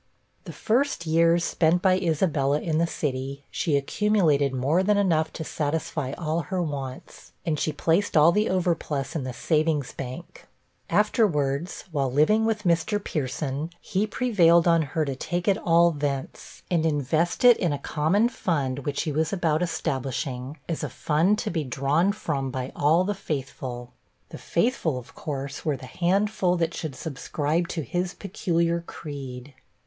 The first years spent by Isabella in the city, she accumulated more than enough to satisfy all her wants, and she placed all the overplus in the Savings' Bank. Afterwards, while living with Mr. Pierson, he prevailed on her to take it all thence, and invest it in a common fund which he was about establishing, as a fund to be drawn from by all the faithful; the faithful, of course, were the handful that should subscribe to his peculiar creed.